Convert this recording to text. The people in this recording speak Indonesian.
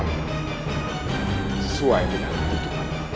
sesuai dengan kebutuhanmu